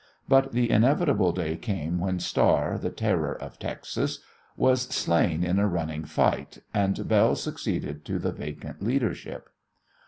But the inevitable day came when Star, the terror of Texas, was slain in a running fight, and Belle succeeded to the vacant leadership.